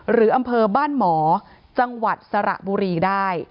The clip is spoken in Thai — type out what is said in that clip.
อำเภอบ้านหมอจังหวัดสระบุรีได้